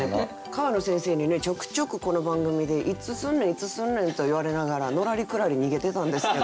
川野先生にねちょくちょくこの番組で「いつすんねんいつすんねん」と言われながらのらりくらり逃げてたんですけど。